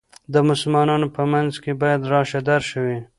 د مسلمانانو په منځ کې باید راشه درشه وي.